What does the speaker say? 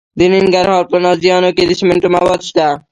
د ننګرهار په نازیانو کې د سمنټو مواد شته.